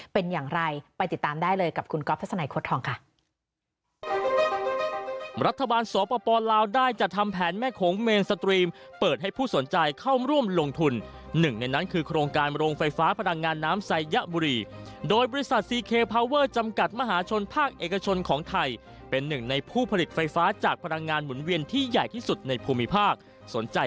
เป็นอย่างไรไปติดตามได้เลยกับคุณก๊อฟทัศนัยโค้ดทองค่ะ